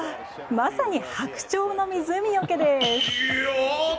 まさに白鳥の湖よけです。